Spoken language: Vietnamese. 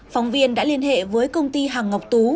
phóng viên đã liên hệ với công ty hàng ngọc tú